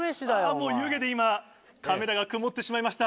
もう湯気で今カメラが曇ってしまいました。